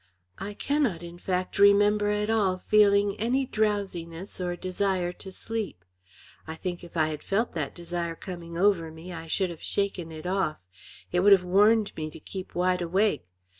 I cannot, in fact, remember at all feeling any drowsiness or desire to sleep. I think if I had felt that desire coming over me I should have shaken it off; it would have warned me to keep wide awake.